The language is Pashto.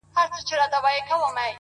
وخت د ارمانونو د ازموینې ډګر دی’